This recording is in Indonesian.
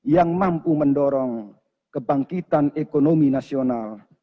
yang mampu mendorong kebangkitan ekonomi nasional